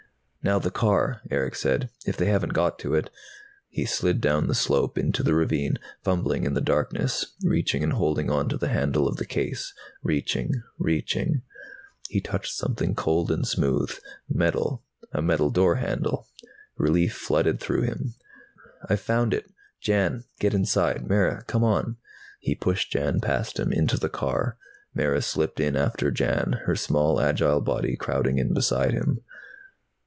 "Now the car," Erick said. "If they haven't got to it." He slid down the slope into the ravine, fumbling in the darkness, reaching and holding onto the handle of the case. Reaching, reaching He touched something cold and smooth. Metal, a metal door handle. Relief flooded through him. "I've found it! Jan, get inside. Mara, come on." He pushed Jan past him, into the car. Mara slipped in after Jan, her small agile body crowding in beside him.